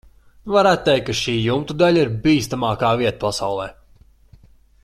Varētu teikt, ka šī jumta daļa ir bīstamākā vieta pasaulē.